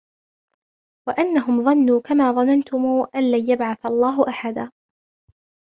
وأنهم ظنوا كما ظننتم أن لن يبعث الله أحدا